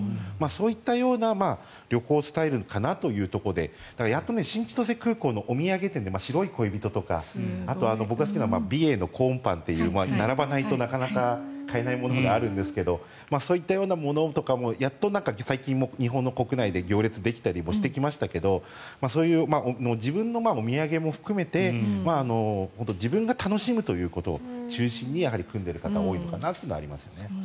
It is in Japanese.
そういったような旅行スタイルかなというところでだからやっと新千歳空港のお土産店で白い恋人とかあとは僕が好きな美瑛のコーンパンとか並ばないと、なかなか買えないものがあるんですけどそういったものとかもやっと最近、日本の国内で行列ができたりしてますがお土産も含めて自分が楽しむということを中心にやはり組んでいる方が多いのかなと思いますね。